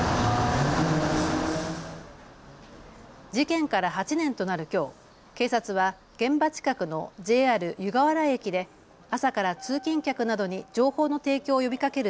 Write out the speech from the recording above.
事件から８年となるきょう警察は現場近くのＪＲ湯河原駅で朝から通勤客などに情報の提供を呼びかける